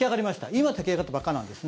今炊き上がったばっかなんです。